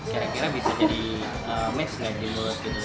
kira kira bisa jadi match nggak di mulut gitu